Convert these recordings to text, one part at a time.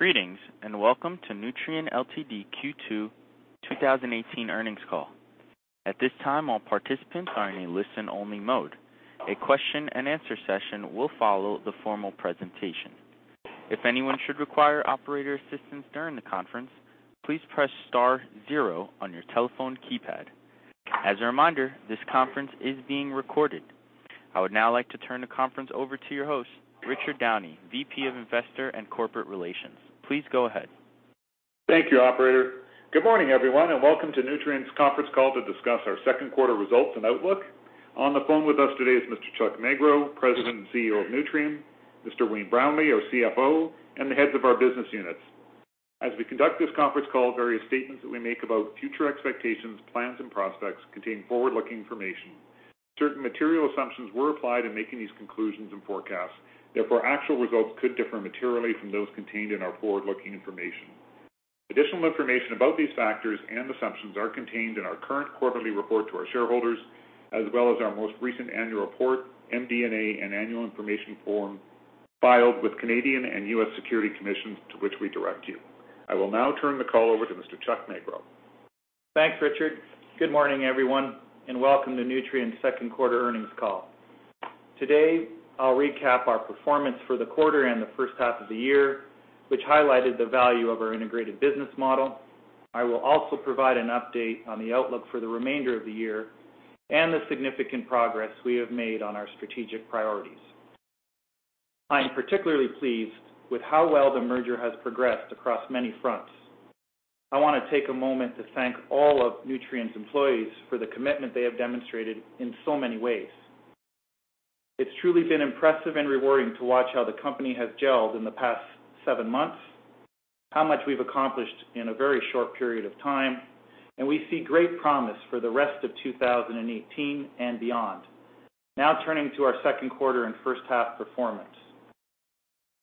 Greetings, and welcome to Nutrien Ltd. Q2 2018 earnings call. At this time, all participants are in a listen-only mode. A question and answer session will follow the formal presentation. If anyone should require operator assistance during the conference, please press star zero on your telephone keypad. As a reminder, this conference is being recorded. I would now like to turn the conference over to your host, Richard Downey, VP of Investor and Corporate Relations. Please go ahead. Thank you, operator. Good morning, everyone, and welcome to Nutrien's conference call to discuss our second quarter results and outlook. On the phone with us today is Mr. Chuck Magro, President and CEO of Nutrien, Mr. Wayne Brownlee, our CFO, and the heads of our business units. As we conduct this conference call, various statements that we make about future expectations, plans, and prospects contain forward-looking information. Certain material assumptions were applied in making these conclusions and forecasts, therefore, actual results could differ materially from those contained in our forward-looking information. Additional information about these factors and assumptions are contained in our current quarterly report to our shareholders, as well as our most recent annual report, MD&A, and annual information form filed with Canadian and U.S. Securities Commissions, to which we direct you. I will now turn the call over to Mr. Chuck Magro. Thanks, Richard. Good morning, everyone, and welcome to Nutrien's second quarter earnings call. Today, I will recap our performance for the quarter and the first half of the year, which highlighted the value of our integrated business model. I will also provide an update on the outlook for the remainder of the year and the significant progress we have made on our strategic priorities. I am particularly pleased with how well the merger has progressed across many fronts. I want to take a moment to thank all of Nutrien's employees for the commitment they have demonstrated in so many ways. It's truly been impressive and rewarding to watch how the company has gelled in the past seven months, how much we've accomplished in a very short period of time, and we see great promise for the rest of 2018 and beyond. Now turning to our second quarter and first half performance.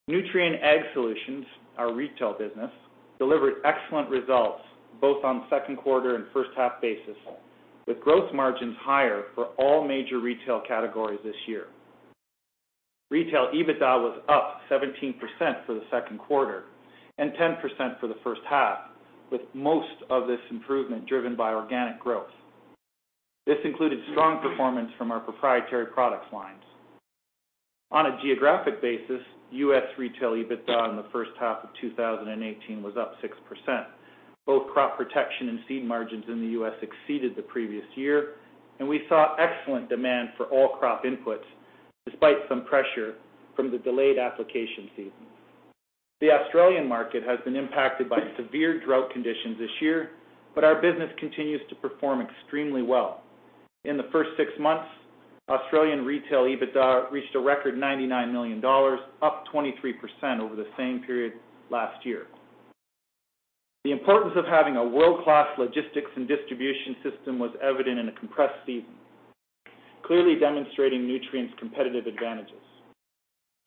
Nutrien Ag Solutions, our retail business, delivered excellent results both on second quarter and first half basis, with gross margins higher for all major retail categories this year. Retail EBITDA was up 17% for the second quarter and 10% for the first half, with most of this improvement driven by organic growth. This included strong performance from our proprietary product lines. On a geographic basis, U.S. retail EBITDA in the first half of 2018 was up 6%. Both crop protection and seed margins in the U.S. exceeded the previous year, and we saw excellent demand for all crop inputs, despite some pressure from the delayed application season. The Australian market has been impacted by severe drought conditions this year, but our business continues to perform extremely well. In the first six months, Australian retail EBITDA reached a record $99 million, up 23% over the same period last year. The importance of having a world-class logistics and distribution system was evident in a compressed season, clearly demonstrating Nutrien's competitive advantages.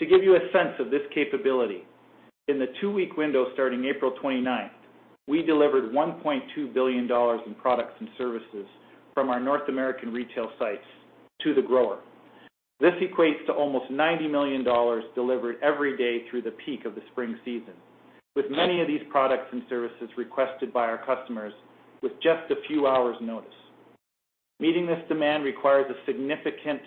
To give you a sense of this capability, in the two-week window starting April 29th, we delivered 1.2 billion dollars in products and services from our North American retail sites to the grower. This equates to almost 90 million dollars delivered every day through the peak of the spring season, with many of these products and services requested by our customers with just a few hours' notice. Meeting this demand requires a significant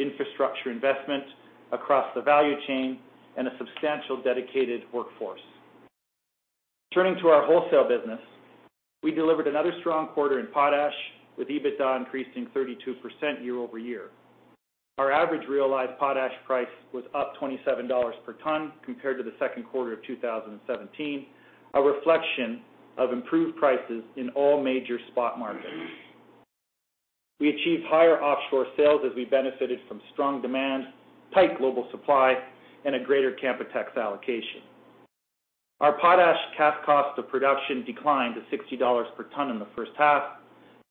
infrastructure investment across the value chain and a substantial dedicated workforce. Turning to our wholesale business, we delivered another strong quarter in potash, with EBITDA increasing 32% year-over-year. Our average realized potash price was up 27 dollars per ton compared to the second quarter of 2017, a reflection of improved prices in all major spot markets. We achieved higher offshore sales as we benefited from strong demand, tight global supply, and a greater Canpotex allocation. Our potash cash cost of production declined to 60 dollars per ton in the first half,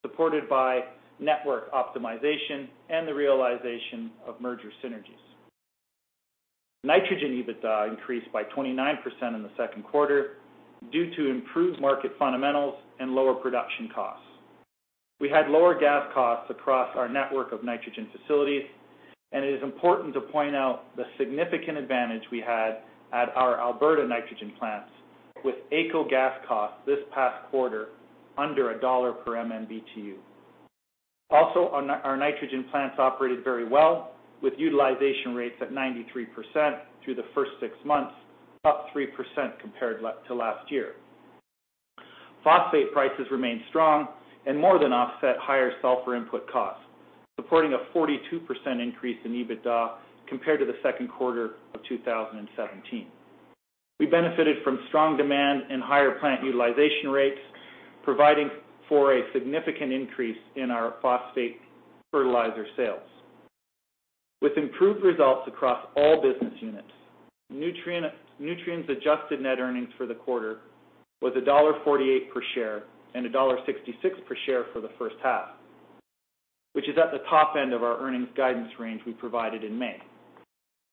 supported by network optimization and the realization of merger synergies. Nitrogen EBITDA increased by 29% in the second quarter due to improved market fundamentals and lower production costs. We had lower gas costs across our network of nitrogen facilities, and it is important to point out the significant advantage we had at our Alberta nitrogen plants with AECO gas costs this past quarter under CAD 1 per MMBtu. Our nitrogen plants operated very well, with utilization rates at 93% through the first six months, up 3% compared to last year. Phosphate prices remained strong and more than offset higher sulfur input costs, supporting a 42% increase in EBITDA compared to the second quarter of 2017. We benefited from strong demand and higher plant utilization rates, providing for a significant increase in our phosphate fertilizer sales. With improved results across all business units, Nutrien's adjusted net earnings for the quarter was dollar 1.48 per share and dollar 1.66 per share for the first half, which is at the top end of our earnings guidance range we provided in May.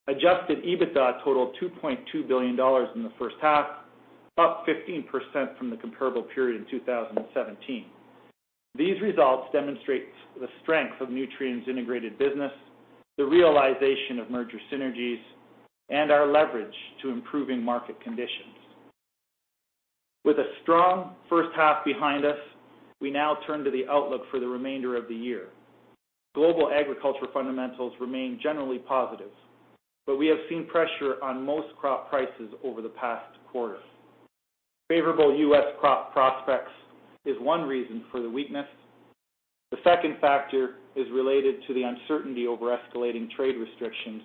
Adjusted EBITDA totaled 2.2 billion dollars in the first half, up 15% from the comparable period in 2017. These results demonstrate the strength of Nutrien's integrated business, the realization of merger synergies, and our leverage to improving market conditions. With a strong first half behind us, we now turn to the outlook for the remainder of the year. Global agricultural fundamentals remain generally positive, we have seen pressure on most crop prices over the past quarter. Favorable U.S. crop prospects is one reason for the weakness. The second factor is related to the uncertainty over escalating trade restrictions,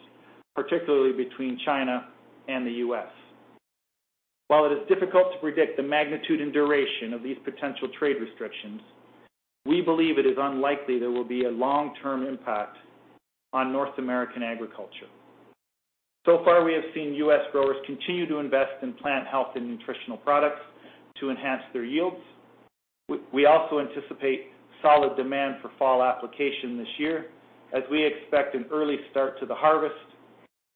particularly between China and the U.S. While it is difficult to predict the magnitude and duration of these potential trade restrictions, we believe it is unlikely there will be a long-term impact on North American agriculture. We have seen U.S. growers continue to invest in plant health and nutritional products to enhance their yields. We also anticipate solid demand for fall application this year, as we expect an early start to the harvest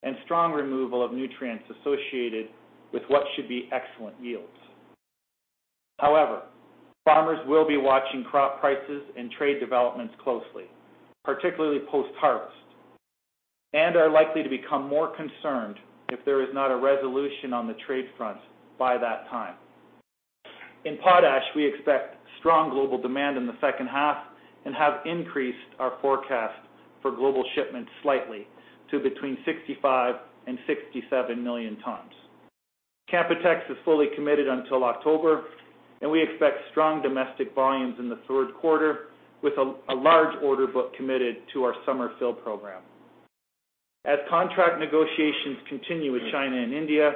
and strong removal of nutrients associated with what should be excellent yields. Farmers will be watching crop prices and trade developments closely, particularly post-harvest, and are likely to become more concerned if there is not a resolution on the trade front by that time. In potash, we expect strong global demand in the second half and have increased our forecast for global shipments slightly to between 65 and 67 million tons. Canpotex is fully committed until October, and we expect strong domestic volumes in the third quarter with a large order book committed to our summer fill program. As contract negotiations continue with China and India,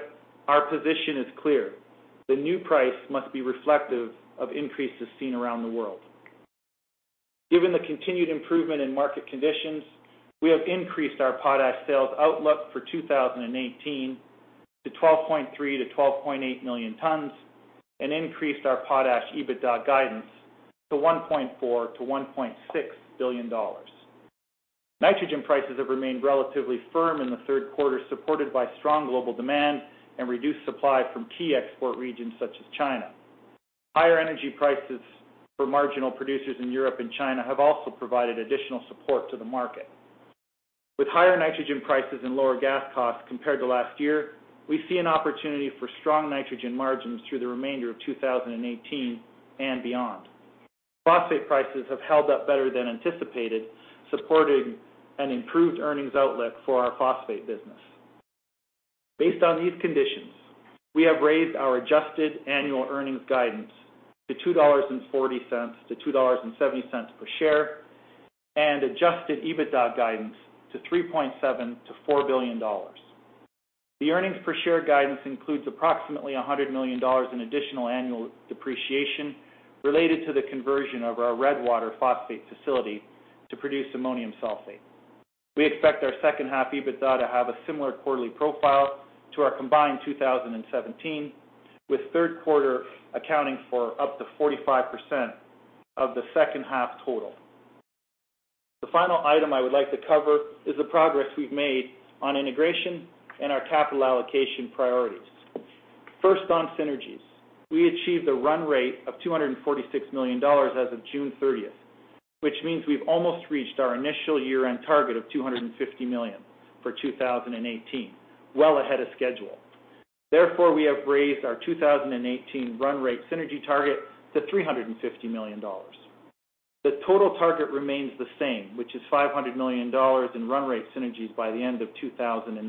our position is clear: The new price must be reflective of increases seen around the world. Given the continued improvement in market conditions, we have increased our potash sales outlook for 2018 to 12.3 million-12.8 million tons and increased our potash EBITDA guidance to $1.4 billion-$1.6 billion. Nitrogen prices have remained relatively firm in the third quarter, supported by strong global demand and reduced supply from key export regions such as China. Higher energy prices for marginal producers in Europe and China have also provided additional support to the market. With higher nitrogen prices and lower gas costs compared to last year, we see an opportunity for strong nitrogen margins through the remainder of 2018 and beyond. Phosphate prices have held up better than anticipated, supporting an improved earnings outlook for our phosphate business. Based on these conditions, we have raised our adjusted annual earnings guidance to $2.40-$2.70 per share and adjusted EBITDA guidance to $3.7 billion-$4 billion. The earnings-per-share guidance includes approximately $100 million in additional annual depreciation related to the conversion of our Redwater Phosphate facility to produce ammonium sulfate. We expect our second half EBITDA to have a similar quarterly profile to our combined 2017, with third quarter accounting for up to 45% of the second half total. The final item I would like to cover is the progress we've made on integration and our capital allocation priorities. First, on synergies. We achieved a run rate of $246 million as of June 30th, which means we've almost reached our initial year-end target of $250 million for 2018, well ahead of schedule. Therefore, we have raised our 2018 run rate synergy target to $350 million. The total target remains the same, which is $500 million in run rate synergies by the end of 2019.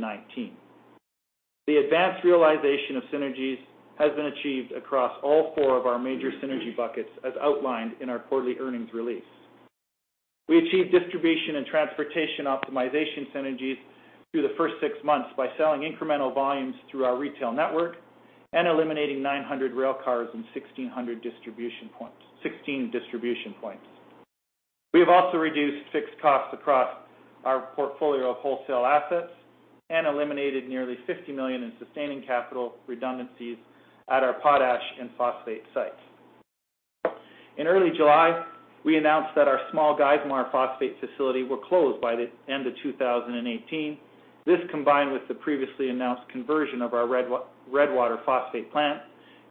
The advanced realization of synergies has been achieved across all four of our major synergy buckets, as outlined in our quarterly earnings release. We achieved distribution and transportation optimization synergies through the first six months by selling incremental volumes through our retail network and eliminating 900 rail cars and 16 distribution points. We have also reduced fixed costs across our portfolio of wholesale assets and eliminated nearly $50 million in sustaining CapEx redundancies at our potash and phosphate sites. In early July, we announced that our small Geismar Phosphate facility will close by the end of 2018. This, combined with the previously announced conversion of our Redwater Phosphate plant,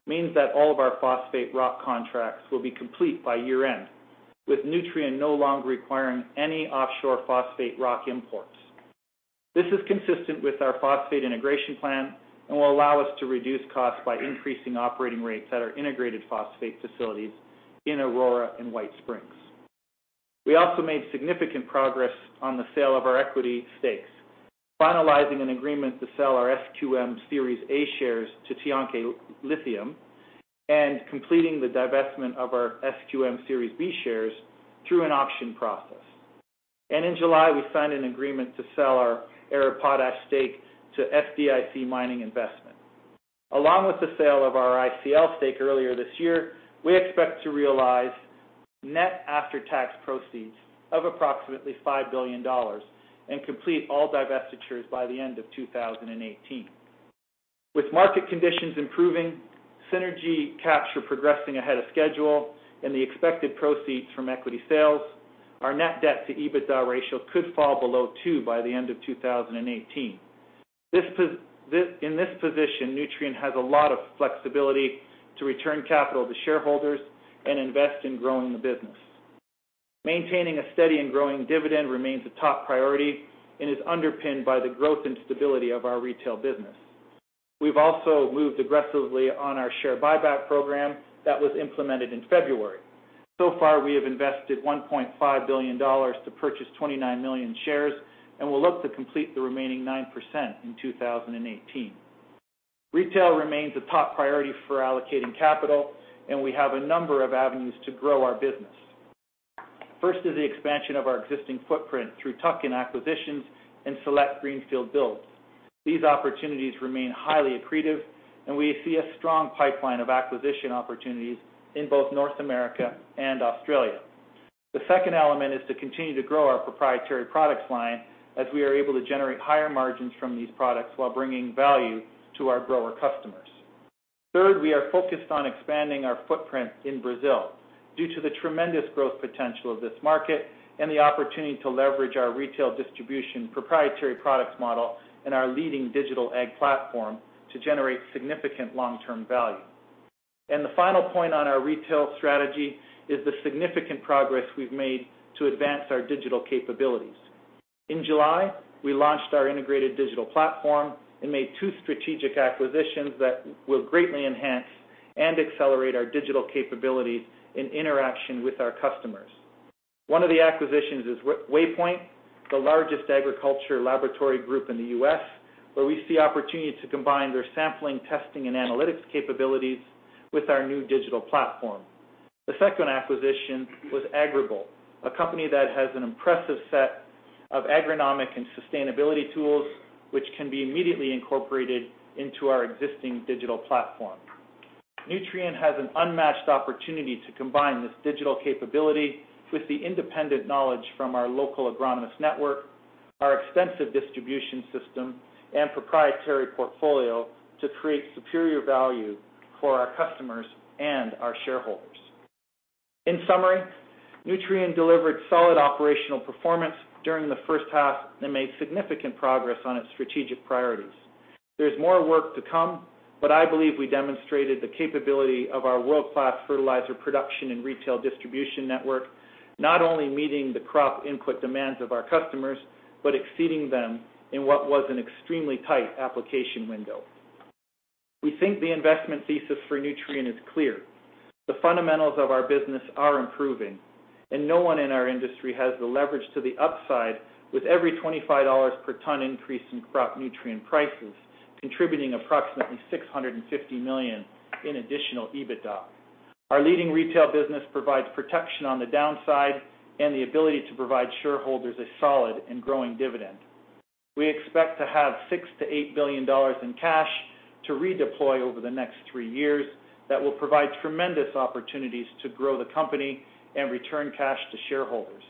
means that all of our phosphate rock contracts will be complete by year-end, with Nutrien no longer requiring any offshore phosphate rock imports. This is consistent with our phosphate integration plan and will allow us to reduce costs by increasing operating rates at our integrated phosphate facilities in Aurora and White Springs. We also made significant progress on the sale of our equity stakes, finalizing an agreement to sell our SQM Series A shares to Tianqi Lithium and completing the divestment of our SQM Series B shares through an auction process. In July, we signed an agreement to sell our Arab Potash stake to SDIC Mining Investment. Along with the sale of our ICL stake earlier this year, we expect to realize net after-tax proceeds of approximately $5 billion and complete all divestitures by the end of 2018. With market conditions improving, synergy capture progressing ahead of schedule, the expected proceeds from equity sales, our net debt to EBITDA ratio could fall below two by the end of 2018. In this position, Nutrien has a lot of flexibility to return capital to shareholders and invest in growing the business. Maintaining a steady and growing dividend remains a top priority and is underpinned by the growth and stability of our retail business. We've also moved aggressively on our share buyback program that was implemented in February. Far, we have invested $1.5 billion to purchase 29 million shares, and we'll look to complete the remaining 10% in 2018. Retail remains a top priority for allocating capital, and we have a number of avenues to grow our business. First is the expansion of our existing footprint through tuck-in acquisitions and select greenfield builds. These opportunities remain highly accretive, and we see a strong pipeline of acquisition opportunities in both North America and Australia. The second element is to continue to grow our proprietary products line as we are able to generate higher margins from these products while bringing value to our grower customers. Third, we are focused on expanding our footprint in Brazil due to the tremendous growth potential of this market and the opportunity to leverage our retail distribution proprietary products model and our leading digital ag platform to generate significant long-term value. The final point on our retail strategy is the significant progress we've made to advance our digital capabilities. In July, we launched our integrated digital platform and made two strategic acquisitions that will greatly enhance and accelerate our digital capabilities in interaction with our customers. One of the acquisitions is Waypoint, the largest agriculture laboratory group in the U.S., where we see opportunity to combine their sampling, testing, and analytics capabilities with our new digital platform. The second acquisition was Agrible, a company that has an impressive set of agronomic and sustainability tools which can be immediately incorporated into our existing digital platform. Nutrien has an unmatched opportunity to combine this digital capability with the independent knowledge from our local agronomist network, our extensive distribution system, and proprietary portfolio to create superior value for our customers and our shareholders. In summary, Nutrien delivered solid operational performance during the first half and made significant progress on its strategic priorities. There's more work to come, but I believe we demonstrated the capability of our world-class fertilizer production and retail distribution network, not only meeting the crop input demands of our customers but exceeding them in what was an extremely tight application window. We think the investment thesis for Nutrien is clear. The fundamentals of our business are improving, and no one in our industry has the leverage to the upside with every $25 per ton increase in crop nutrient prices, contributing approximately $650 million in additional EBITDA. Our leading retail business provides protection on the downside and the ability to provide shareholders a solid and growing dividend. We expect to have $6 billion to $8 billion in cash to redeploy over the next three years. That will provide tremendous opportunities to grow the company and return cash to shareholders.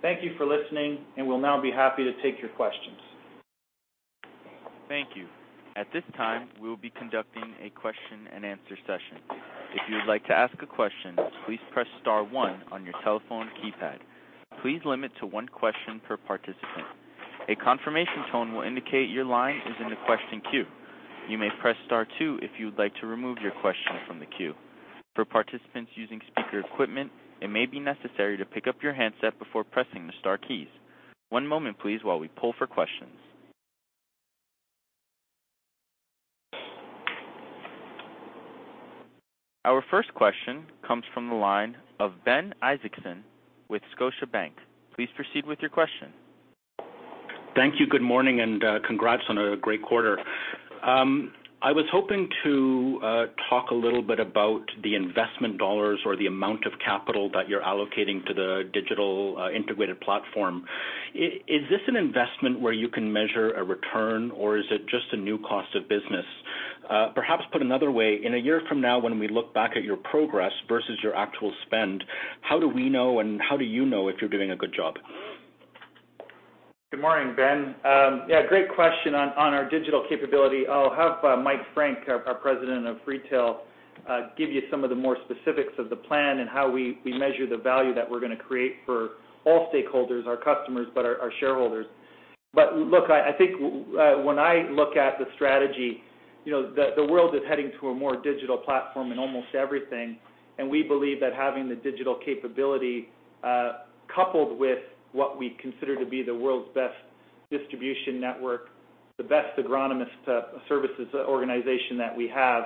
Thank you for listening. We'll now be happy to take your questions. Thank you. At this time, we will be conducting a question and answer session. If you would like to ask a question, please press star one on your telephone keypad. Please limit to one question per participant. A confirmation tone will indicate your line is in the question queue. You may press star two if you would like to remove your question from the queue. For participants using speaker equipment, it may be necessary to pick up your handset before pressing the star keys. One moment, please, while we pull for questions. Our first question comes from the line of Ben Isaacson with Scotiabank. Please proceed with your question. Thank you. Good morning. Congrats on a great quarter. I was hoping to talk a little bit about the investment dollars or the amount of capital that you're allocating to the digital integrated platform. Is this an investment where you can measure a return, or is it just a new cost of business? Perhaps put another way, in a year from now, when we look back at your progress versus your actual spend, how do we know and how do you know if you're doing a good job? Good morning, Ben. Yeah, great question on our digital capability. I'll have Mike Frank, our President of Retail, give you some of the more specifics of the plan and how we measure the value that we're going to create for all stakeholders, our customers, but our shareholders. Look, I think when I look at the strategy, the world is heading to a more digital platform in almost everything. We believe that having the digital capability, coupled with what we consider to be the world's best distribution network, the best agronomist services organization that we have,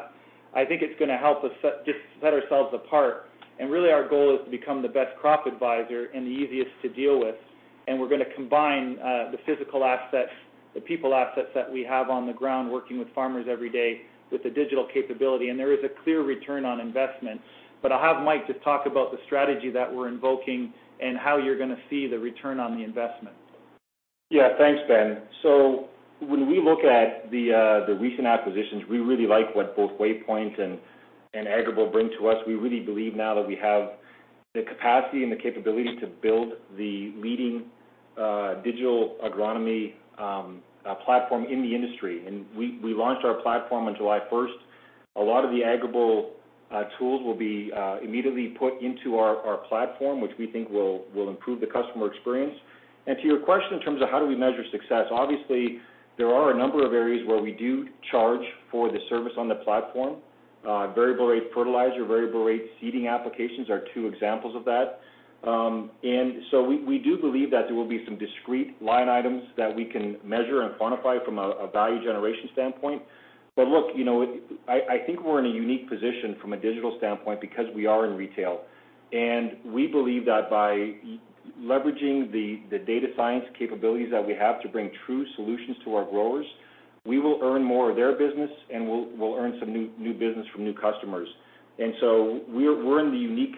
I think it's going to help us just set ourselves apart. Really our goal is to become the best crop advisor and the easiest to deal with. We're going to combine the physical assets, the people assets that we have on the ground working with farmers every day with the digital capability. There is a clear return on investment. I'll have Mike just talk about the strategy that we're invoking and how you're going to see the return on the investment. Yeah. Thanks, Ben. When we look at the recent acquisitions, we really like what both Waypoint Analytical and Agrible bring to us. We really believe now that we have the capacity and the capability to build the leading digital agronomy platform in the industry. We launched our platform on July 1st. A lot of the Agrible tools will be immediately put into our platform, which we think will improve the customer experience. To your question, in terms of how do we measure success, obviously, there are a number of areas where we do charge for the service on the platform. Variable rate fertilizer, variable rate seeding applications are two examples of that. We do believe that there will be some discrete line items that we can measure and quantify from a value generation standpoint. Look, I think we're in a unique position from a digital standpoint because we are in retail. We believe that by leveraging the data science capabilities that we have to bring true solutions to our growers, we will earn more of their business, and we'll earn some new business from new customers. We're in the unique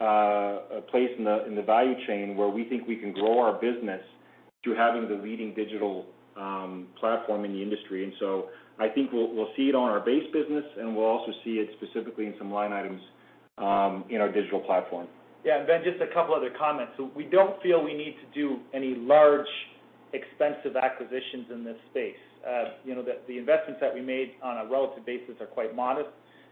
place in the value chain where we think we can grow our business through having the leading digital platform in the industry. I think we'll see it on our base business, and we'll also see it specifically in some line items in our digital platform. Yeah. Ben, just a couple other comments. We don't feel we need to do any large, expensive acquisitions in this space. The investments that we made on a relative basis are quite modest.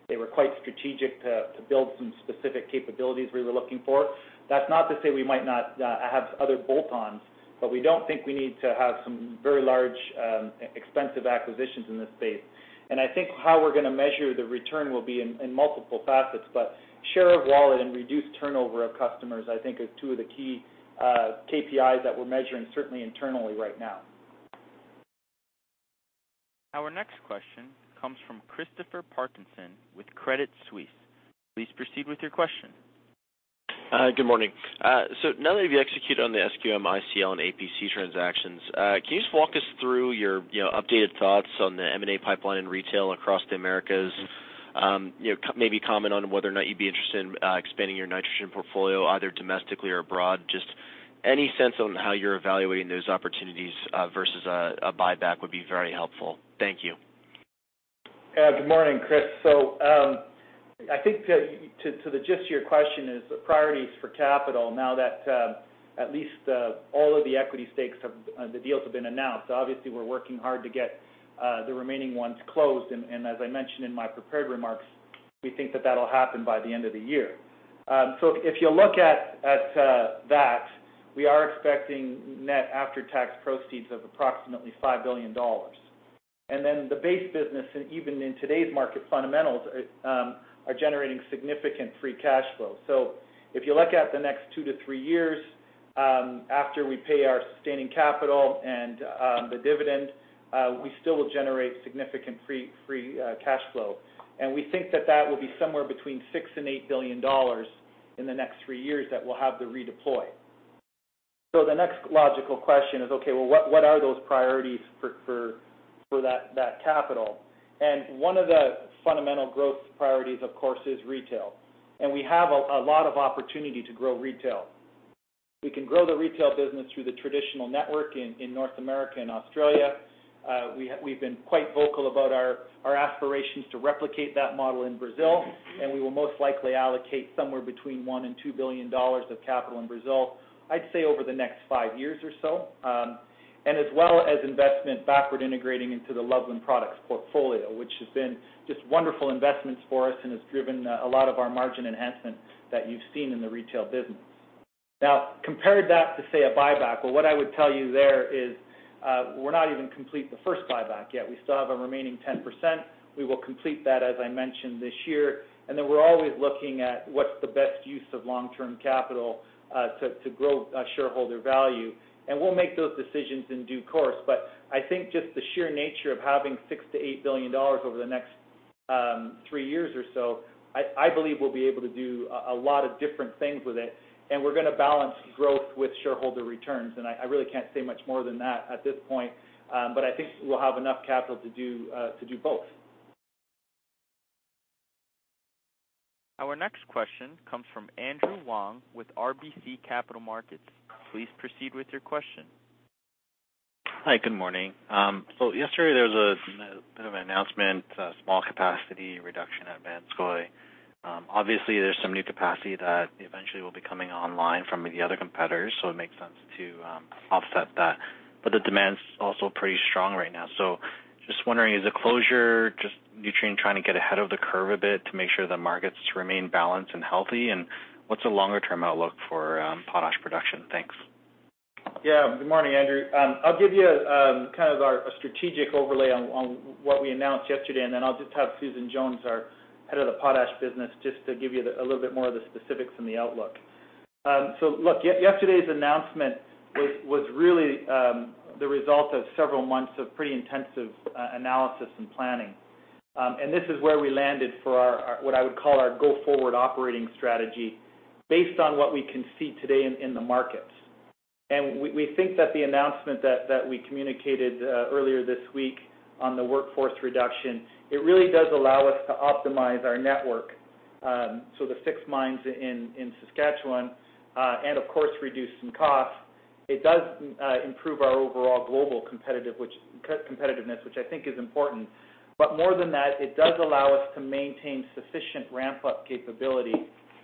They were quite strategic to build some specific capabilities we were looking for. That's not to say we might not have other bolt-ons, but we don't think we need to have some very large, expensive acquisitions in this space. I think how we're going to measure the return will be in multiple facets, but share of wallet and reduced turnover of customers, I think, is two of the key KPIs that we're measuring certainly internally right now. Our next question comes from Christopher Parkinson with Credit Suisse. Please proceed with your question. Good morning. Now that you've executed on the SQM, ICL, and APC transactions, can you just walk us through your updated thoughts on the M&A pipeline in retail across the Americas? Maybe comment on whether or not you'd be interested in expanding your nitrogen portfolio, either domestically or abroad. Just any sense on how you're evaluating those opportunities versus a buyback would be very helpful. Thank you. Good morning, Chris. I think to the gist of your question is the priorities for capital now that at least all of the equity stakes of the deals have been announced. Obviously, we're working hard to get the remaining ones closed. As I mentioned in my prepared remarks, we think that that'll happen by the end of the year. If you look at that, we are expecting net after-tax proceeds of approximately $5 billion. The base business, and even in today's market fundamentals, are generating significant free cash flow. If you look at the next two to three years after we pay our sustaining capital and the dividend, we still will generate significant free cash flow. We think that that will be somewhere between $6 billion and $8 billion in the next three years that we'll have to redeploy. The next logical question is, okay, well, what are those priorities for that capital? One of the fundamental growth priorities, of course, is retail. We have a lot of opportunity to grow retail. We can grow the retail business through the traditional network in North America and Australia. We will most likely allocate somewhere between $1 billion and $2 billion of capital in Brazil, I'd say over the next five years or so. As well as investment backward integrating into the Loveland Products portfolio, which has been just wonderful investments for us and has driven a lot of our margin enhancement that you've seen in the retail business. Compare that to, say, a buyback. Well, what I would tell you there is we're not even complete the first buyback yet. We still have a remaining 10%. We will complete that, as I mentioned, this year. We're always looking at what's the best use of long-term capital to grow shareholder value. We'll make those decisions in due course. I think just the sheer nature of having $6 billion-$8 billion over the next 3 years or so, I believe we'll be able to do a lot of different things with it. We're going to balance growth with shareholder returns. I really can't say much more than that at this point. I think we'll have enough capital to do both. Our next question comes from Andrew Wong with RBC Capital Markets. Please proceed with your question. Hi, good morning. Yesterday there was a bit of an announcement, a small capacity reduction at Vanscoy. Obviously, there's some new capacity that eventually will be coming online from the other competitors, so it makes sense to offset that. The demand's also pretty strong right now. Just wondering, is the closure just Nutrien trying to get ahead of the curve a bit to make sure the markets remain balanced and healthy? What's the longer-term outlook for potash production? Thanks. Good morning, Andrew. I'll give you a strategic overlay on what we announced yesterday. I'll just have Susan Jones, our head of the potash business, just to give you a little bit more of the specifics and the outlook. Look, yesterday's announcement was really the result of several months of pretty intensive analysis and planning. This is where we landed for what I would call our go-forward operating strategy based on what we can see today in the markets. We think that the announcement that we communicated earlier this week on the workforce reduction, it really does allow us to optimize our network. The six mines in Saskatchewan, of course, reduce some costs. It does improve our overall global competitiveness, which I think is important. More than that, it does allow us to maintain sufficient ramp-up capability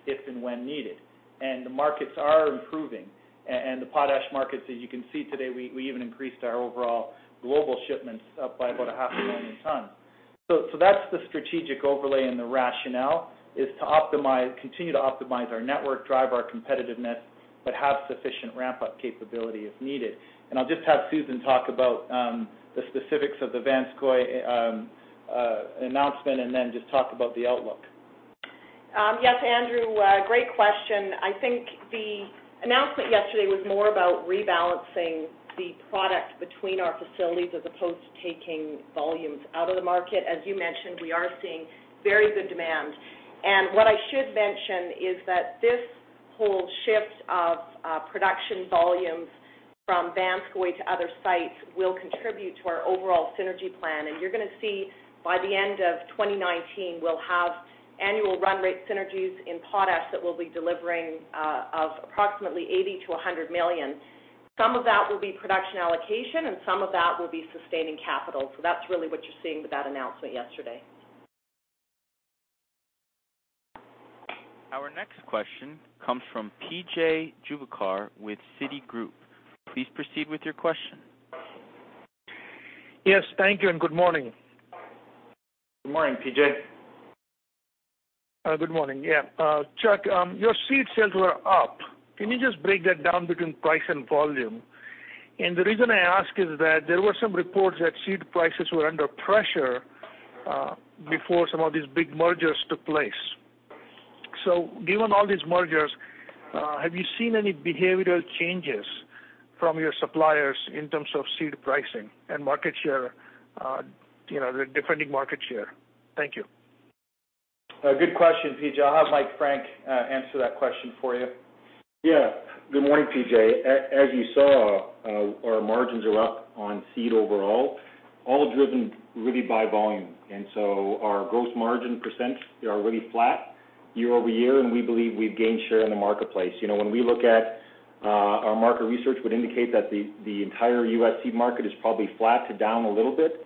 if and when needed. The markets are improving. The potash markets, as you can see today, we even increased our overall global shipments up by about 500,000 tons. That's the strategic overlay, and the rationale is to continue to optimize our network, drive our competitiveness, but have sufficient ramp-up capability if needed. I'll just have Susan talk about the specifics of the Vanscoy announcement and then just talk about the outlook. Yes, Andrew, great question. I think the announcement yesterday was more about rebalancing the product between our facilities as opposed to taking volumes out of the market. As you mentioned, we are seeing very good demand. What I should mention is that this whole shift of production volumes from Vanscoy to other sites will contribute to our overall synergy plan. You're going to see by the end of 2019, we'll have annual run rate synergies in potash that we'll be delivering of approximately 80 million-100 million. Some of that will be production allocation, and some of that will be sustaining capital. That's really what you're seeing with that announcement yesterday. Our next question comes from PJ Juvekar with Citigroup. Please proceed with your question. Yes, thank you and good morning. Good morning, PJ. Good morning. Yeah. Chuck, your seed sales were up. Can you just break that down between price and volume? The reason I ask is that there were some reports that seed prices were under pressure before some of these big mergers took place. Given all these mergers, have you seen any behavioral changes from your suppliers in terms of seed pricing and defending market share? Thank you. A good question, PJ. I'll have Mike Frank answer that question for you. Yeah. Good morning, PJ. As you saw, our margins are up on seed overall, all driven really by volume. Our gross margin percents are really flat year-over-year, and we believe we've gained share in the marketplace. When we look at our market research would indicate that the entire US seed market is probably flat to down a little bit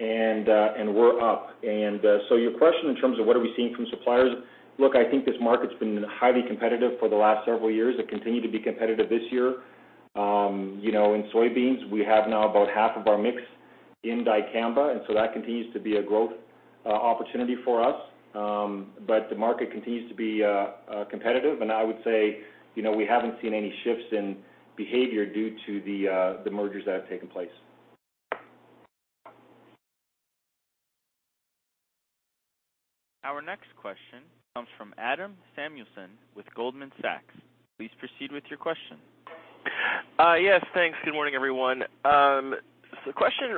and we're up. Your question in terms of what are we seeing from suppliers, look, I think this market's been highly competitive for the last several years. It continued to be competitive this year. In soybeans, we have now about half of our mix in dicamba, that continues to be a growth opportunity for us. The market continues to be competitive, and I would say we haven't seen any shifts in behavior due to the mergers that have taken place. Our next question comes from Adam Samuelson with Goldman Sachs. Please proceed with your question. Yes, thanks. Good morning, everyone. Question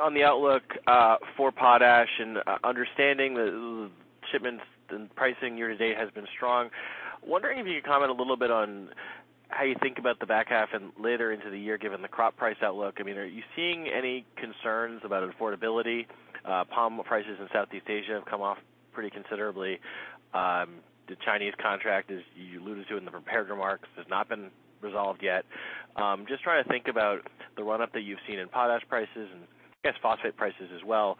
on the outlook for potash and understanding the shipments and pricing year-to-date has been strong. Wondering if you could comment a little bit on how you think about the back half and later into the year, given the crop price outlook. Are you seeing any concerns about affordability? Palm oil prices in Southeast Asia have come off pretty considerably. The Chinese contract, as you alluded to in the prepared remarks, has not been resolved yet. Just trying to think about the run-up that you've seen in potash prices and I guess phosphate prices as well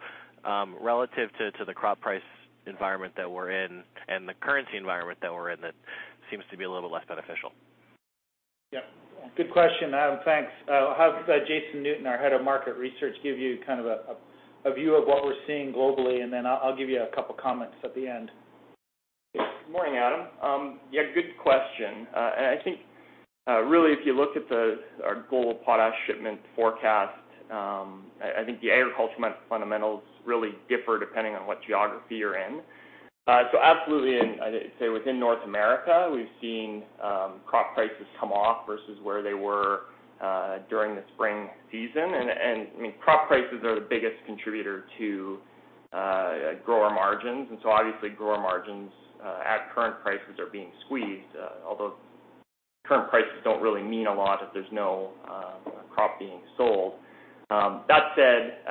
relative to the crop price environment that we're in and the currency environment that we're in that seems to be a little less beneficial. Yep. Good question, Adam. Thanks. I'll have Jason Newton, our Chief Economist & Head of Market Research, give you a view of what we're seeing globally, and then I'll give you a couple of comments at the end. Good morning, Adam. Yeah, good question. I think really if you look at our global potash shipment forecast, I think the agricultural fundamentals really differ depending on what geography you're in. Absolutely, I'd say within North America, we've seen crop prices come off versus where they were during the spring season. Crop prices are the biggest contributor to grower margins. Obviously grower margins at current prices are being squeezed although current prices don't really mean a lot if there's no crop being sold. That said,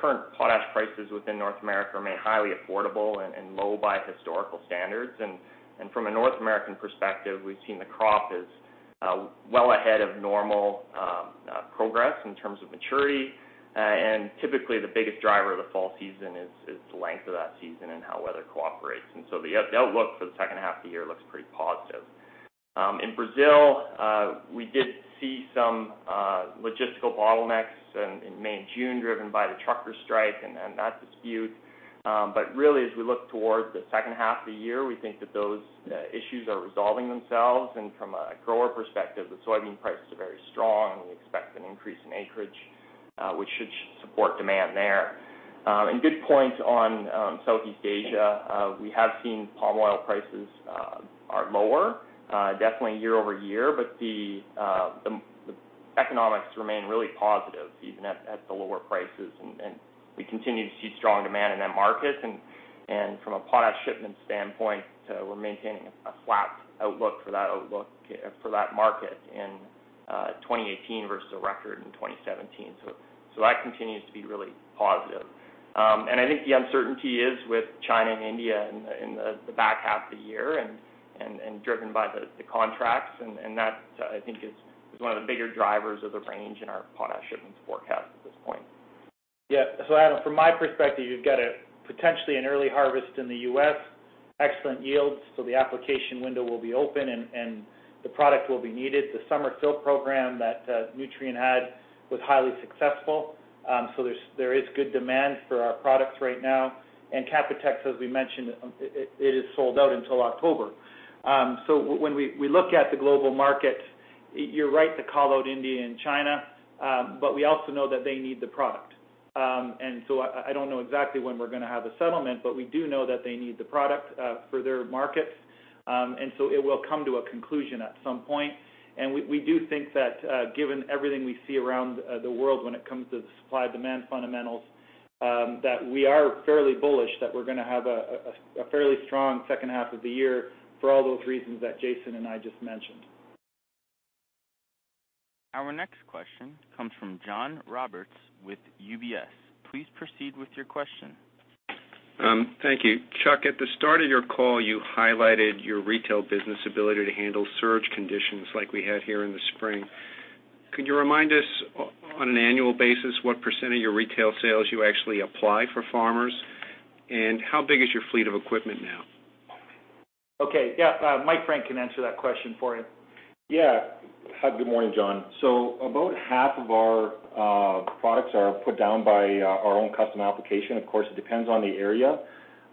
current potash prices within North America remain highly affordable and low by historical standards. From a North American perspective, we've seen the crop is well ahead of normal progress in terms of maturity. Typically the biggest driver of the fall season is the length of that season and how weather cooperates. The outlook for the second half of the year looks pretty positive. In Brazil, we did see some logistical bottlenecks in May and June driven by the trucker strike and that dispute. As we look towards the second half of the year, we think that those issues are resolving themselves. From a grower perspective, the soybean prices are very strong and we expect an increase in acreage, which should support demand there. Good point on Southeast Asia. We have seen palm oil prices are lower definitely year-over-year, but the economics remain really positive even at the lower prices, and we continue to see strong demand in that market. From a potash shipment standpoint, we're maintaining a flat outlook for that market in 2018 versus a record in 2017. That continues to be really positive. I think the uncertainty is with China and India in the back half of the year and driven by the contracts, and that I think is one of the bigger drivers of the range in our potash shipments forecast at this point. Adam, from my perspective, you've got potentially an early harvest in the U.S., excellent yields, so the application window will be open and the product will be needed. The summer fill program that Nutrien had was highly successful, so there is good demand for our products right now. Canpotex, as we mentioned, it is sold out until October. When we look at the global market, you're right to call out India and China, but we also know that they need the product. I don't know exactly when we're going to have a settlement, but we do know that they need the product for their markets, and so it will come to a conclusion at some point. We do think that, given everything we see around the world when it comes to the supply-demand fundamentals, that we are fairly bullish that we're going to have a fairly strong second half of the year for all those reasons that Jason and I just mentioned. Our next question comes from John Roberts with UBS. Please proceed with your question. Thank you. Chuck, at the start of your call, you highlighted your retail business ability to handle surge conditions like we had here in the spring. Could you remind us, on an annual basis, what % of your retail sales you actually apply for farmers, and how big is your fleet of equipment now? Okay. Yeah. Mike Frank can answer that question for you. Yeah. Good morning, John. About half of our products are put down by our own custom application. Of course, it depends on the area.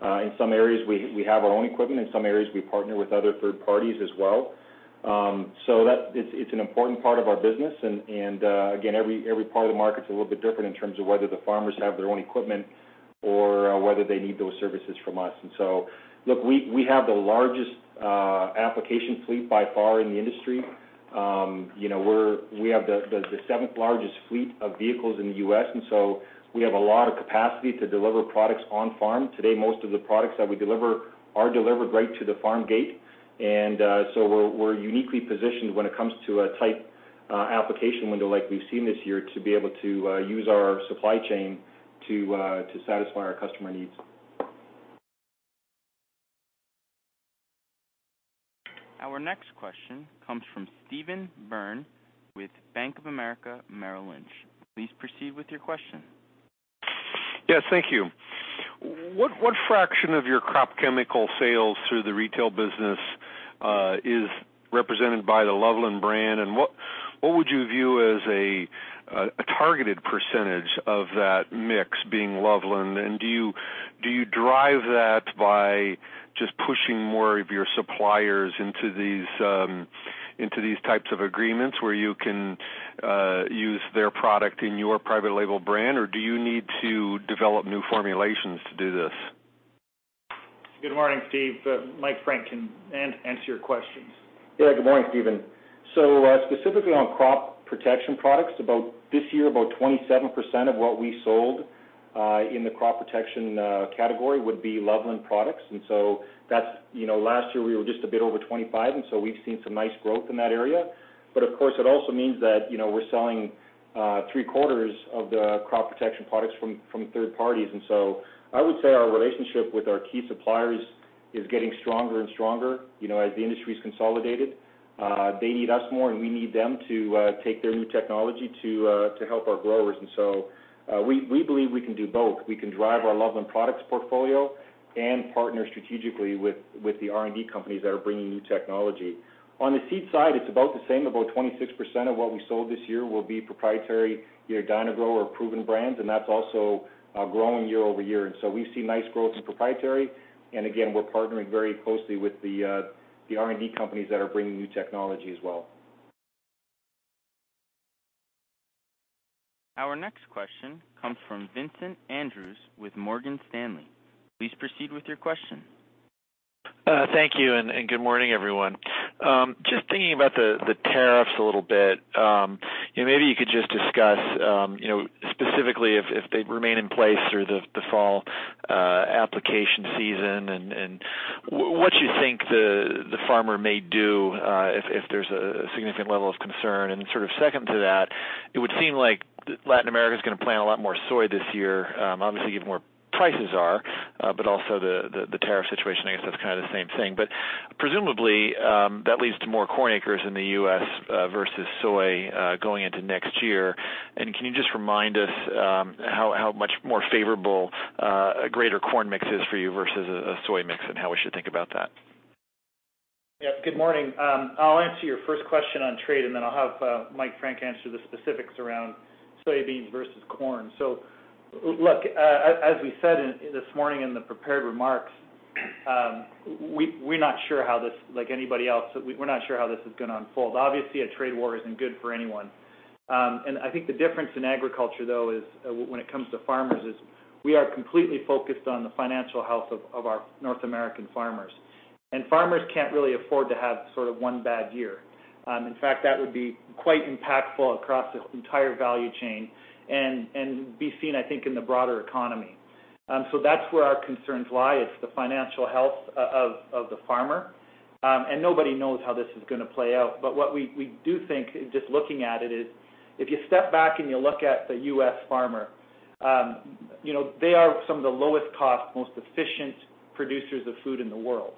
In some areas, we have our own equipment. In some areas, we partner with other third parties as well. It's an important part of our business, and again, every part of the market is a little bit different in terms of whether the farmers have their own equipment or whether they need those services from us. Look, we have the largest application fleet by far in the industry. We have the seventh-largest fleet of vehicles in the U.S., and so we have a lot of capacity to deliver products on farm. Today, most of the products that we deliver are delivered right to the farm gate. We're uniquely positioned when it comes to a tight application window like we've seen this year, to be able to use our supply chain to satisfy our customer needs. Our next question comes from Steve Byrne with Bank of America Merrill Lynch. Please proceed with your question. Yes, thank you. What fraction of your crop chemical sales through the retail business is represented by the Loveland brand, what would you view as a targeted percentage of that mix being Loveland? Do you drive that by just pushing more of your suppliers into these types of agreements where you can use their product in your private label brand, or do you need to develop new formulations to do this? Good morning, Steve. Mike Frank can answer your questions. Yeah, good morning, Steve. Specifically on crop protection products, this year about 27% of what we sold in the crop protection category would be Loveland Products. Last year we were just a bit over 25, and we've seen some nice growth in that area. Of course, it also means that we're selling three-quarters of the crop protection products from third parties. I would say our relationship with our key suppliers is getting stronger and stronger as the industry's consolidated. They need us more, and we need them to take their new technology to help our growers. We believe we can do both. We can drive our Loveland Products portfolio and partner strategically with the R&D companies that are bringing new technology. On the seed side, it's about the same. About 26% of what we sold this year will be proprietary Dyna-Gro or Proven Seed brands, and that's also growing year-over-year. We see nice growth in proprietary. Again, we're partnering very closely with the R&D companies that are bringing new technology as well. Our next question comes from Vincent Andrews with Morgan Stanley. Please proceed with your question. Thank you, good morning, everyone. Just thinking about the tariffs a little bit, maybe you could just discuss specifically if they remain in place through the fall application season and what you think the farmer may do if there's a significant level of concern. Sort of second to that, it would seem like Latin America is going to plant a lot more soy this year, obviously given where prices are, also the tariff situation, I guess that's kind of the same thing. Presumably, that leads to more corn acres in the U.S. versus soy going into next year. Can you just remind us how much more favorable a greater corn mix is for you versus a soy mix, and how we should think about that? Yeah. Good morning. I'll answer your first question on trade, then I'll have Mike Frank answer the specifics around soybeans versus corn. Look, as we said this morning in the prepared remarks, like anybody else, we're not sure how this is going to unfold. Obviously, a trade war isn't good for anyone. I think the difference in agriculture, though, when it comes to farmers is we are completely focused on the financial health of our North American farmers. Farmers can't really afford to have sort of one bad year. In fact, that would be quite impactful across this entire value chain and be seen, I think, in the broader economy. That's where our concerns lie. It's the financial health of the farmer. Nobody knows how this is going to play out. What we do think, just looking at it, is if you step back and you look at the U.S. farmer, they are some of the lowest cost, most efficient producers of food in the world.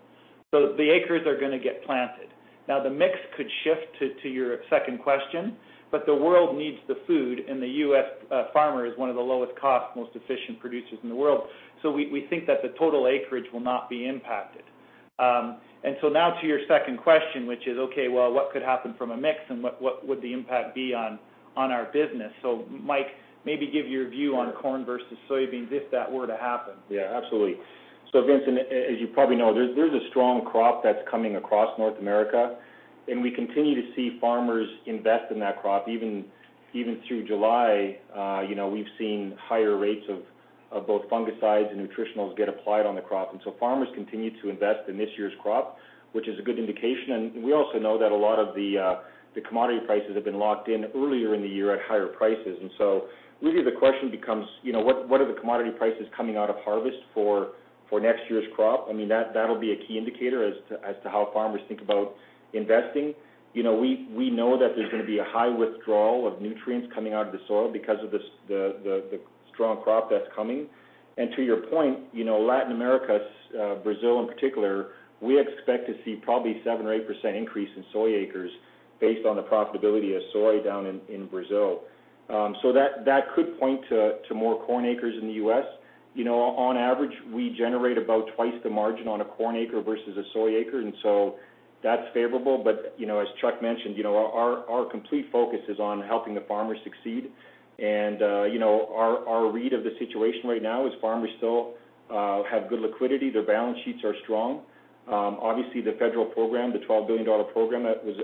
The acres are going to get planted. Now, the mix could shift to your second question, the world needs the food, and the U.S. farmer is one of the lowest cost, most efficient producers in the world. We think that the total acreage will not be impacted. Now to your second question, which is, okay, well, what could happen from a mix, and what would the impact be on our business? Mike, maybe give your view on corn versus soybeans if that were to happen. Yeah, absolutely. Vincent, as you probably know, there's a strong crop that's coming across North America, and we continue to see farmers invest in that crop. Even through July, we've seen higher rates of both fungicides and nutritionals get applied on the crop. Farmers continue to invest in this year's crop, which is a good indication. We also know that a lot of the commodity prices have been locked in earlier in the year at higher prices. Really the question becomes, what are the commodity prices coming out of harvest for next year's crop? That'll be a key indicator as to how farmers think about investing. We know that there's going to be a high withdrawal of nutrients coming out of the soil because of the strong crop that's coming. To your point, Latin America, Brazil in particular, we expect to see probably 7% or 8% increase in soy acres based on the profitability of soy down in Brazil. That could point to more corn acres in the U.S. On average, we generate about twice the margin on a corn acre versus a soy acre, that's favorable. As Chuck mentioned, our complete focus is on helping the farmers succeed. Our read of the situation right now is farmers still have good liquidity. Their balance sheets are strong. Obviously, the federal program, the $12 billion program that was-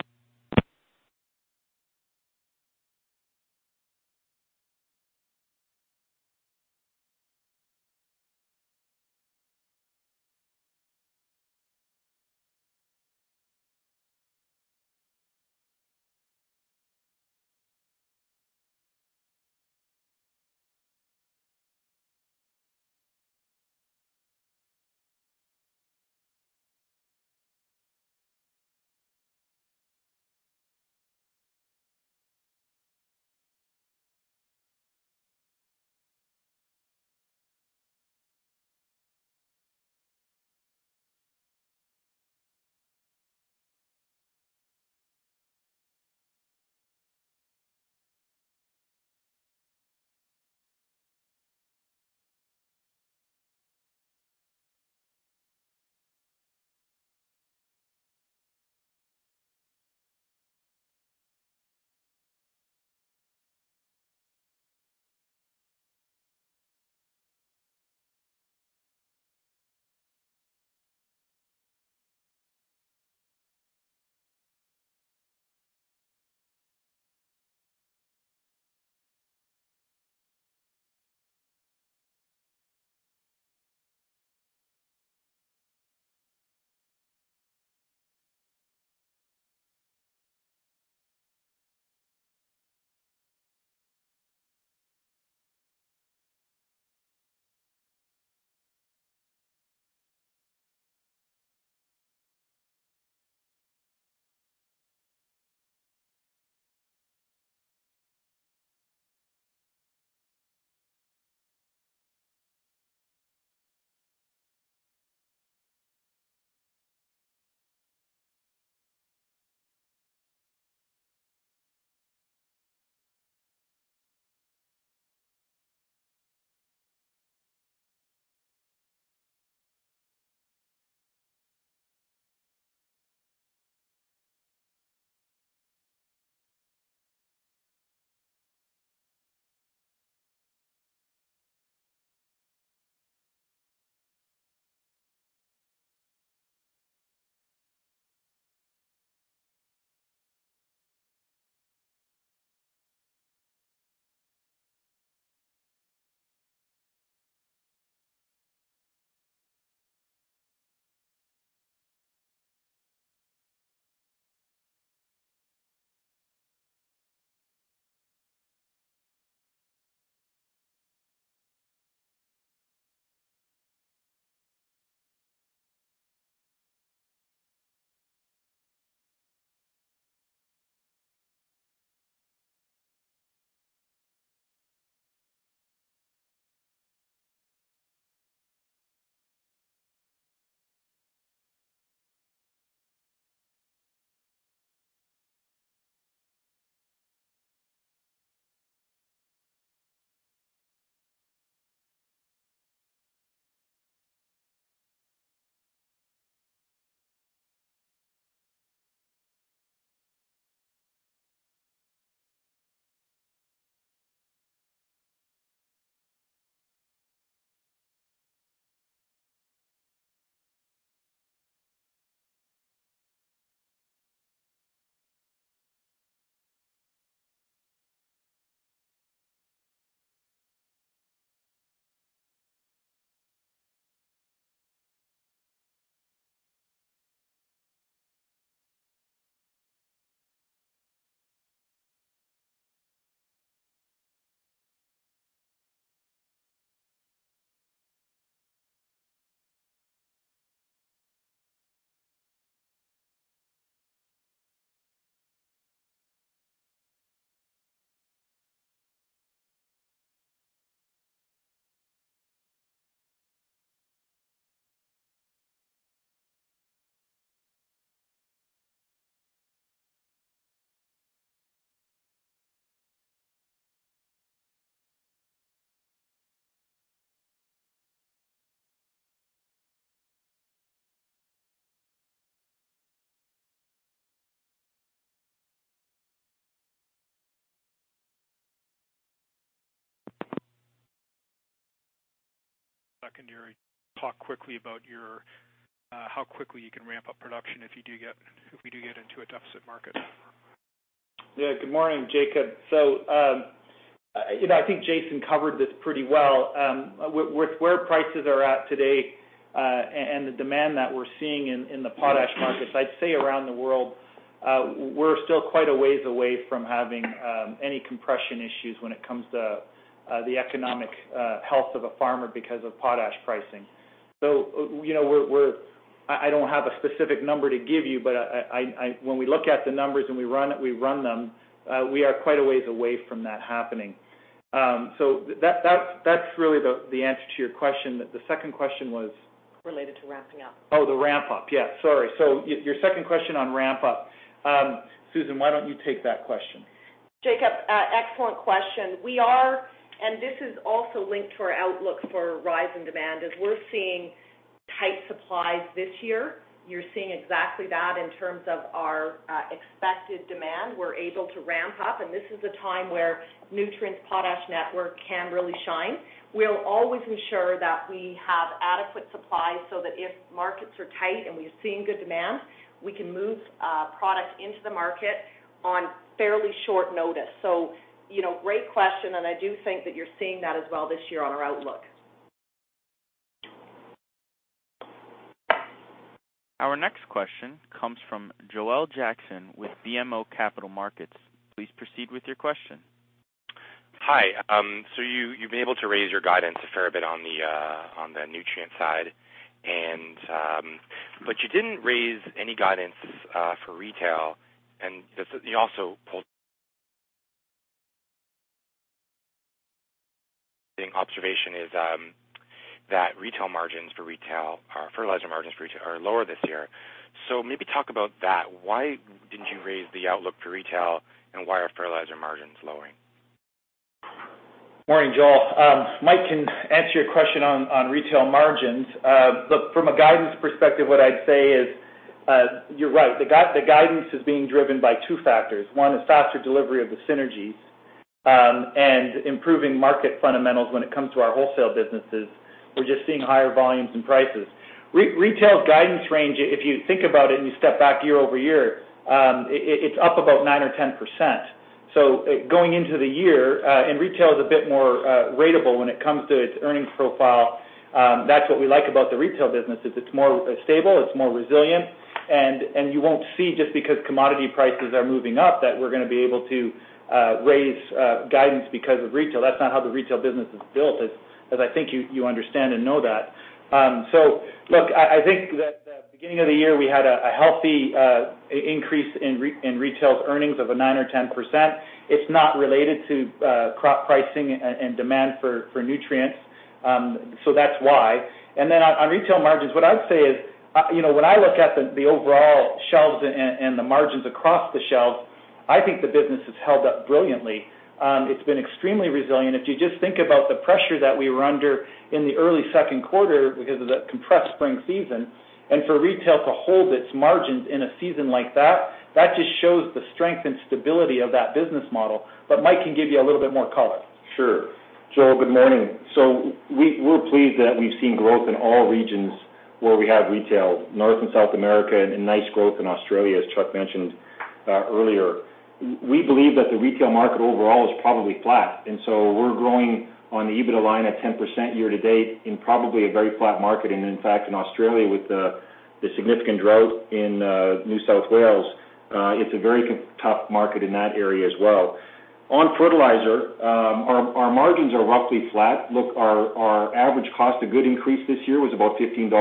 Talk quickly about how quickly you can ramp up production if we do get into a deficit market. Yeah. Good morning, Jacob. I think Jason covered this pretty well. With where prices are at today, and the demand that we're seeing in the potash markets, I'd say around the world, we're still quite a ways away from having any compression issues when it comes to the economic health of a farmer because of potash pricing. I don't have a specific number to give you, but when we look at the numbers and we run them, we are quite a ways away from that happening. That's really the answer to your question. The second question was? Related to ramping up. Oh, the ramp up. Yeah, sorry. Your second question on ramp up. Susan, why don't you take that question? Jacob, excellent question. We are, and this is also linked to our outlook for rise in demand, as we're seeing tight supplies this year. You're seeing exactly that in terms of our expected demand. We're able to ramp up, and this is a time where Nutrien's potash network can really shine. We'll always ensure that we have adequate supply so that if markets are tight and we're seeing good demand, we can move product into the market on fairly short notice. Great question, and I do think that you're seeing that as well this year on our outlook. Our next question comes from Joel Jackson with BMO Capital Markets. Please proceed with your question. Hi. You've been able to raise your guidance a fair bit on the nutrient side. You didn't raise any guidance for retail and your observation is that retail margins for retail or fertilizer margins for retail are lower this year. Maybe talk about that. Why didn't you raise the outlook for retail, and why are fertilizer margins lowering? Morning, Joel. Mike can answer your question on retail margins. Look, from a guidance perspective, what I'd say is you're right. The guidance is being driven by two factors. One is faster delivery of the synergies, and improving market fundamentals when it comes to our wholesale businesses. We're just seeing higher volumes and prices. Retail's guidance range, if you think about it and you step back year-over-year, it's up about nine or 10%. Going into the year, and retail is a bit more ratable when it comes to its earnings profile. That's what we like about the retail business, is it's more stable, it's more resilient, and you won't see just because commodity prices are moving up, that we're going to be able to raise guidance because of retail. That's not how the retail business is built, as I think you understand and know that. Look, I think that the beginning of the year, we had a healthy increase in retail's earnings of 9% or 10%. It's not related to crop pricing and demand for nutrients. That's why. On retail margins, what I would say is when I look at the overall shelves and the margins across the shelves, I think the business has held up brilliantly. It's been extremely resilient. If you just think about the pressure that we were under in the early second quarter because of the compressed spring season, for retail to hold its margins in a season like that just shows the strength and stability of that business model. Mike can give you a little bit more color. Sure. Joel, good morning. We're pleased that we've seen growth in all regions where we have retail, North and South America, and nice growth in Australia, as Chuck mentioned earlier. We believe that the retail market overall is probably flat, we're growing on the EBITDA line at 10% year to date in probably a very flat market. In fact, in Australia with the significant drought in New South Wales, it's a very tough market in that area as well. On fertilizer, our margins are roughly flat. Look, our average cost of good increase this year was about $15.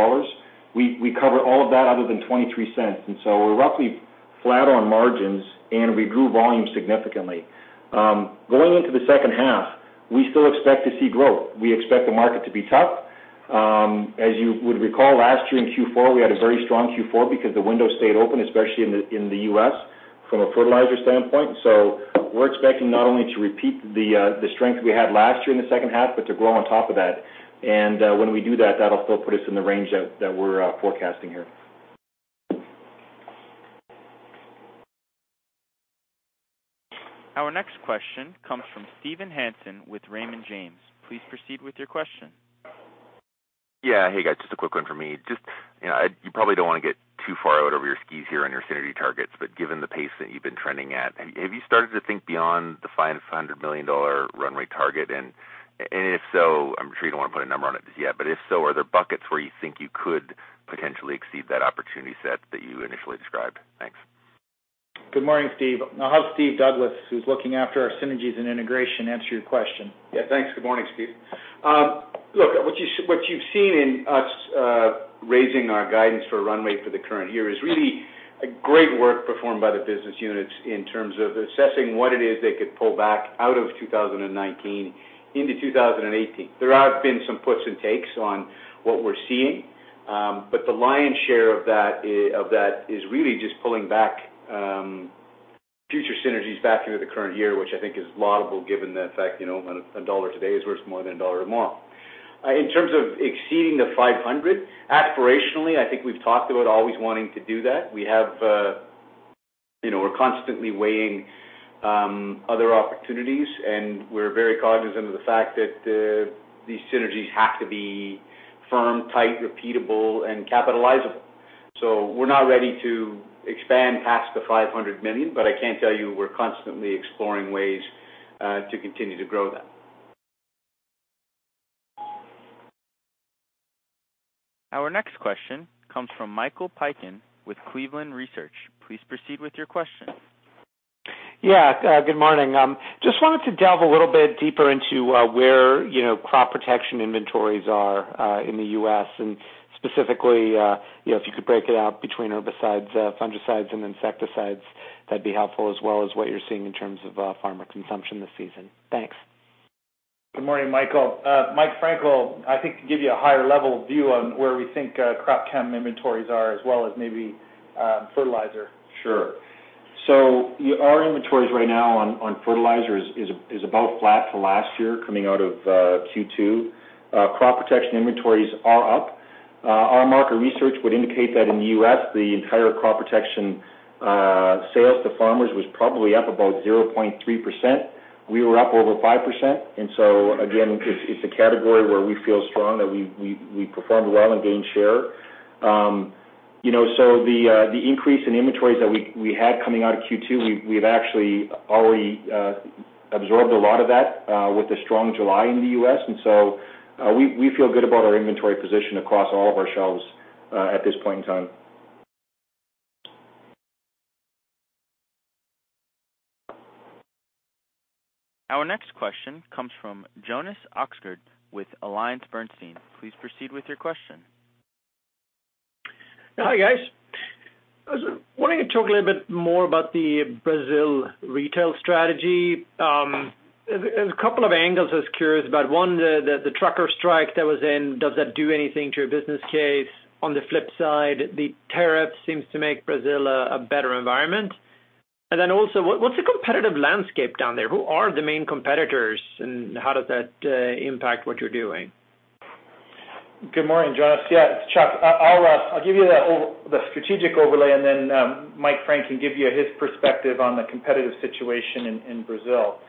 We covered all of that other than $0.23, we're roughly flat on margins, we grew volume significantly. Going into the second half, we still expect to see growth. We expect the market to be tough. As you would recall, last year in Q4, we had a very strong Q4 because the window stayed open, especially in the U.S. from a fertilizer standpoint. We're expecting not only to repeat the strength we had last year in the second half, but to grow on top of that. When we do that'll still put us in the range that we're forecasting here. Our next question comes from Steve Hansen with Raymond James. Please proceed with your question. Hey, guys. Just a quick one for me. You probably don't want to get too far out over your skis here on your synergy targets, but given the pace that you've been trending at, have you started to think beyond the $500 million run rate target? If so, I'm sure you don't want to put a number on it just yet, but if so, are there buckets where you think you could potentially exceed that opportunity set that you initially described? Thanks. Good morning, Steve. I'll have Steven Douglas, who's looking after our synergies and integration, answer your question. Yeah, thanks. Good morning, Steve. Look, what you've seen in us Raising our guidance for run rate for the current year is really a great work performed by the business units in terms of assessing what it is they could pull back out of 2019 into 2018. There have been some puts and takes on what we're seeing. The lion's share of that is really just pulling back future synergies back into the current year, which I think is laudable given the fact, a dollar today is worth more than a dollar tomorrow. In terms of exceeding the $500, aspirationally, I think we've talked about always wanting to do that. We're constantly weighing other opportunities, and we're very cognizant of the fact that these synergies have to be firm, tight, repeatable, and capitalizable. We're not ready to expand past the $500 million, but I can tell you we're constantly exploring ways to continue to grow that. Our next question comes from Michael Piken with Cleveland Research. Please proceed with your question. Good morning. Just wanted to delve a little bit deeper into where crop protection inventories are in the U.S., specifically, if you could break it out between herbicides, fungicides, and insecticides, that'd be helpful, as well as what you're seeing in terms of farmer consumption this season. Thanks. Good morning, Michael. Mike Frank will, I think, give you a higher level view on where we think crop chem inventories are, as well as maybe fertilizer. Sure. Our inventories right now on fertilizer is about flat to last year coming out of Q2. Crop protection inventories are up. Our market research would indicate that in the U.S., the entire crop protection sales to farmers was probably up about 0.3%. We were up over 5%. Again, it's a category where we feel strong that we performed well and gained share. The increase in inventories that we had coming out of Q2, we've actually already absorbed a lot of that with the strong July in the U.S. We feel good about our inventory position across all of our shelves at this point in time. Our next question comes from Jonas Oxgaard with AllianceBernstein. Please proceed with your question. Hi, guys. I was wanting to talk a little bit more about the Brazil retail strategy. There are a couple of angles I was curious about. One, the trucker strike that was in, does that do anything to your business case? On the flip side, the tariff seems to make Brazil a better environment. What's the competitive landscape down there? Who are the main competitors, and how does that impact what you're doing? Good morning, Jonas. Yeah, it's Chuck. I'll give you the strategic overlay, and Mike Frank can give you his perspective on the competitive situation in Brazil.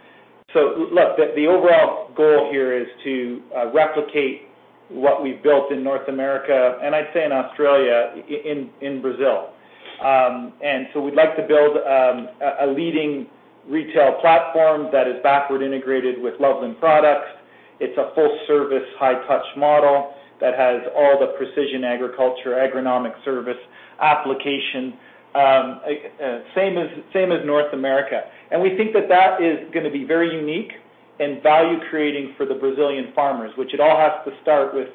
Look, the overall goal here is to replicate what we've built in North America, and I'd say in Australia, in Brazil. We'd like to build a leading retail platform that is backward integrated with Loveland Products. It's a full-service, high-touch model that has all the precision agriculture, agronomic service application, same as North America. We think that that is going to be very unique and value-creating for the Brazilian farmers, which it all has to start with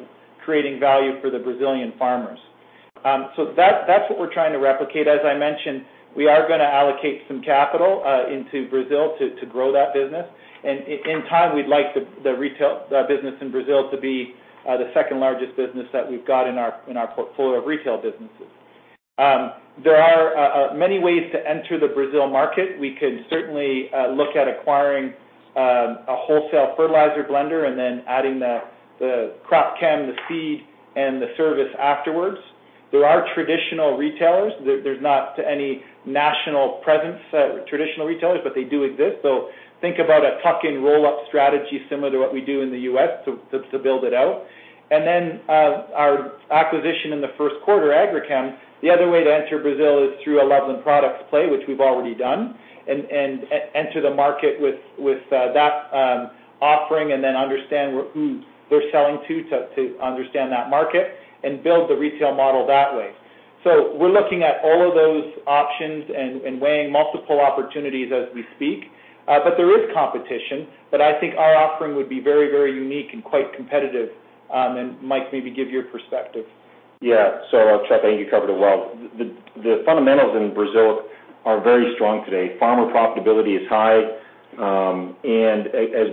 creating value for the Brazilian farmers. That's what we're trying to replicate. As I mentioned, we are going to allocate some capital into Brazil to grow that business. In time, we'd like the retail business in Brazil to be the second-largest business that we've got in our portfolio of retail businesses. There are many ways to enter the Brazil market. We could certainly look at acquiring a wholesale fertilizer blender and then adding the crop chem, the seed, and the service afterwards. There are traditional retailers. There's not any national presence traditional retailers, but they do exist. Think about a tuck-in roll-up strategy similar to what we do in the U.S. to build it out. Our acquisition in the first quarter, Agrichem, the other way to enter Brazil is through a Loveland Products play, which we've already done, and enter the market with that offering and then understand who they're selling to understand that market, and build the retail model that way. We're looking at all of those options and weighing multiple opportunities as we speak. There is competition, but I think our offering would be very, very unique and quite competitive. Mike, maybe give your perspective. Chuck, I think you covered it well. The fundamentals in Brazil are very strong today. Farmer profitability is high. As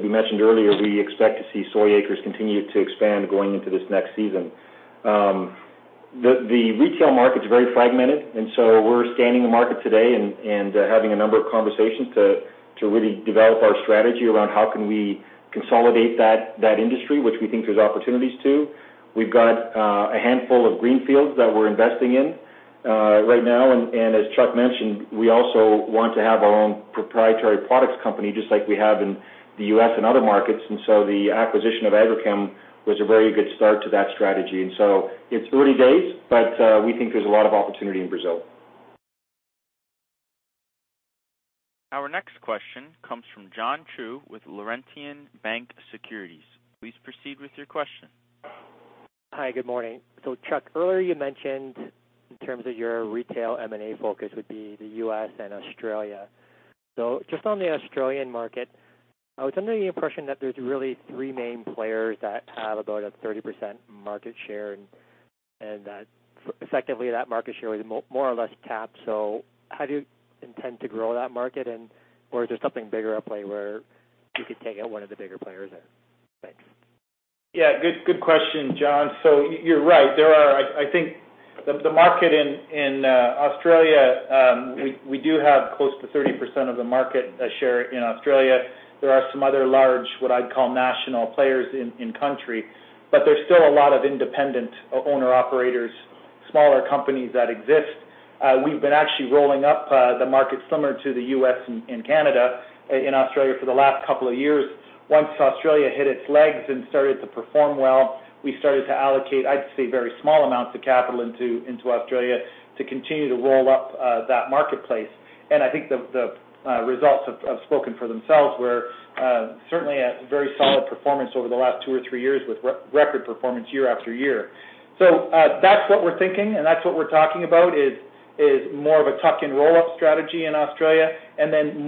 we mentioned earlier, we expect to see soy acres continue to expand going into this next season. The retail market's very fragmented, we're scanning the market today and having a number of conversations to really develop our strategy around how can we consolidate that industry, which we think there's opportunities to. We've got a handful of greenfields that we're investing in right now. As Chuck mentioned, we also want to have our own proprietary products company, just like we have in the U.S. and other markets. The acquisition of Agrichem was a very good start to that strategy. It's early days, but we think there's a lot of opportunity in Brazil. Our next question comes from John Chu with Laurentian Bank Securities. Please proceed with your question. Hi, good morning. Chuck, earlier you mentioned in terms of your retail M&A focus would be the U.S. and Australia. Just on the Australian market, I was under the impression that there's really three main players that have about a 30% market share, and that effectively that market share is more or less capped. How do you intend to grow that market? Or is there something bigger at play where you could take out one of the bigger players there? Thanks. Yeah, good question, John. You're right. I think the market in Australia, we do have close to 30% of the market share in Australia. There are some other large, what I'd call national players in country. There's still a lot of independent owner-operators, smaller companies that exist. We've been actually rolling up the market similar to the U.S. and Canada in Australia for the last couple of years. Once Australia hit its legs and started to perform well, we started to allocate, I'd say, very small amounts of capital into Australia to continue to roll up that marketplace. I think the results have spoken for themselves. We're certainly at very solid performance over the last two or three years with record performance year after year. That's what we're thinking, and that's what we're talking about, is more of a tuck-in roll-up strategy in Australia, and then more